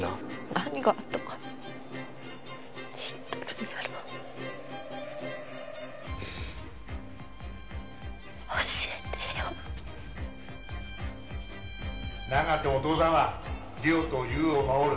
何があってもお父さんは梨央と優を守る